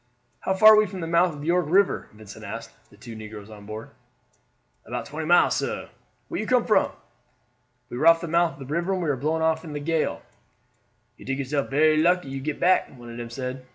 "How far are we from the mouth of the York River?" Vincent asked the two negroes on board. "About twenty miles, sah. Where you come from?" "We were off the mouth of the river, and were blown off in the gale." "You tink yourself berry lucky you get back," one of them said.